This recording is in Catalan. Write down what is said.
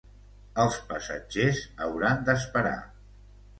Els passatgers hauran d'esperar.